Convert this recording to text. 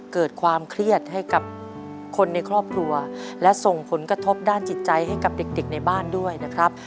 เกิดความเครียดให้กับคนในครอบครัวและส่งผลกระทบด้านจิตใจให้กับเด็กในบ้านด้วยนะครับ